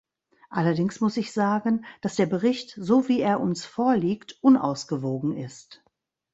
Allerdings muss ich sagen, dass der Bericht, so wie er uns vorliegt, unausgewogen ist.